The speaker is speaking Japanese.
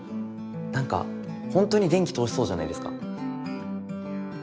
なんかほんとに電気通しそうじゃないですか。